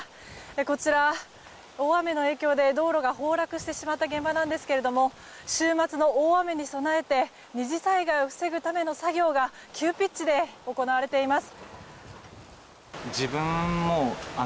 こちら、大雨の影響で道路が崩落してしまった現場なんですけれども週末の大雨に備えて２次災害を防ぐための作業が急ピッチで行われています。